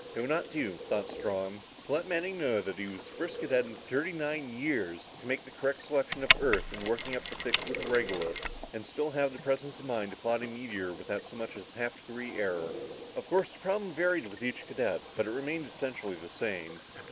It would not do, thought Strong, to let Manning know that he was the first cadet in thirty nine years to make the correct selection of Earth in working up the fix with Regulus, and still have the presence of mind to plot a meteor without so much as a half degree error. Of course the problem varied with each cadet, but it remained essentially the same.